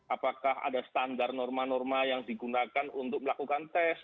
apakah ada standar norma norma yang digunakan untuk melakukan tes